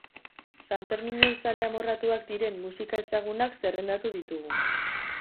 Sanferminen zale amorratuak diren musika ezagunak zerrendatu ditugu.